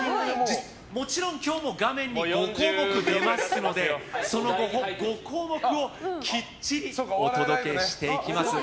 もちろん今日も画面に５項目出ますのでその５項目をきっちりお届けしていきます。